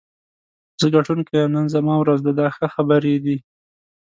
زه ګټونکی یم، نن زما ورځ ده دا ښه خبرې دي.